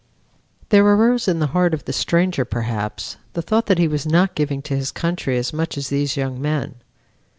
There arose in the heart of the stranger perhaps, the thought that he was not giving to his country as much as these young men.